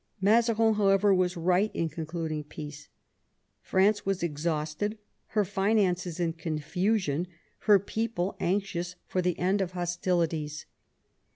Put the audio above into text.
Mazarin, however, was right in concluding peace. France was exhausted, her finances in confusion, her people anxious for the end of hostilities.